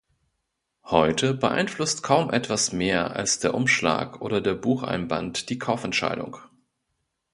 Heute beeinflusst kaum etwas mehr als der Umschlag oder der Bucheinband die Kaufentscheidung.